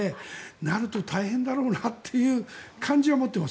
なると大変だろうなというイメージは持っています。